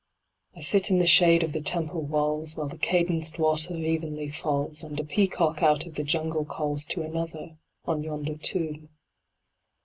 I sit in the shade of the Temple walls, While the cadenced water evenly falls, And a peacock out of the Jungle calls To another, on yonder tomb.